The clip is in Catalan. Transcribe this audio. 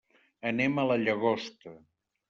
Anem a la Llagosta.